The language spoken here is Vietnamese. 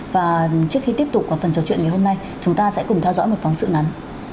và trước khi tiếp tục ở phần trò chuyện ngày hôm nay chúng ta sẽ cùng theo dõi một phóng sự ngắn